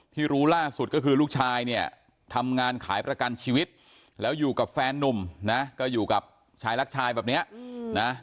รู้ล่าสุดก็คือลูกชายเนี่ยทำงานขายประกันชีวิตแล้วอยู่กับแฟนนุ่มนะก็อยู่กับชายรักชายแบบนี้นะ